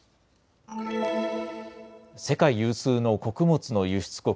世界有数の穀物の輸出国